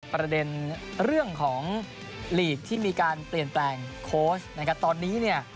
ประเด็นเรื่องของลีกที่มีการเปลี่ยนแปลงโค้ชนะครับตอนนี้เนี่ย